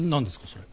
それ。